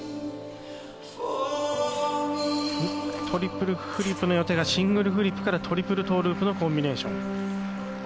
トリプルフリップの予定がシングルフリップからトリプルトーループのコンビネーション。